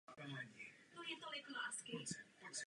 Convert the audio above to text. Slouží pro sledování počasí pro potřeby letecké dopravy.